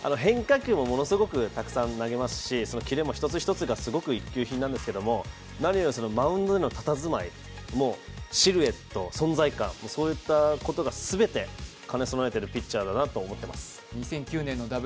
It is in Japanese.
変化球もものすごくたくさん投げますしキレも１つ１つがすごく一級品なんですけど、何よりマウンドでのたたずまい、シルエット、存在感、そういったことが全て兼ね備えているピッチャーだなと思っています。